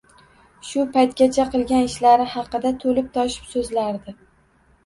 Shu paytgacha qilgan ishlari haqida to`lib-toshib so`zlardi